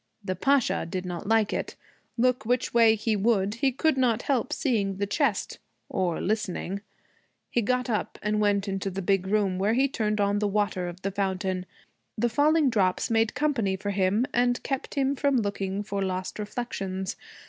The Pasha did not like it. Look which way he would, he could not help seeing the chest or listening. He got up and went into the big room, where he turned on the water of the fountain. The falling drops made company for him, and kept him from looking for lost reflections.